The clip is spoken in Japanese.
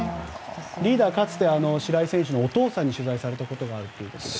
リーダー、かつて白井選手のお父さんに取材されたことがあると。